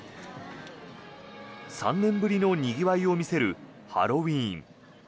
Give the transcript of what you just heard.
３年ぶりのにぎわいを見せるハロウィーン。